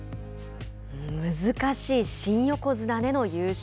難しい新横綱での優勝。